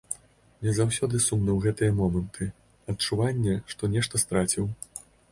Мне заўсёды сумна ў гэтыя моманты, адчуванне, што нешта страціў.